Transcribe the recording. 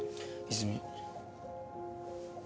泉。